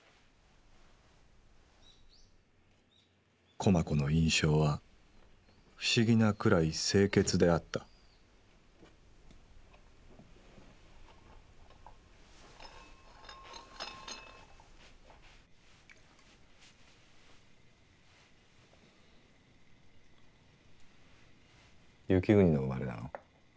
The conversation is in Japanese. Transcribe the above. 駒子の印象は不思議なくらい清潔であった雪国の生まれなの？